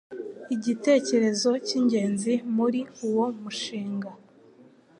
Igitekerezo cy'ingenzi muri uwo mushinga